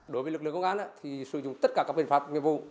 đối với lực lượng công an thì sử dụng tất cả các biện pháp nghiệp vụ